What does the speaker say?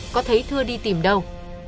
có thấy thưa đi tìm đâu